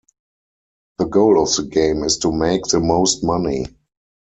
The goal of the game is to make the most money.